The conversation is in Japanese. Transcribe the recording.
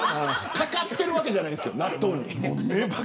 かかってるわけじゃないんですよ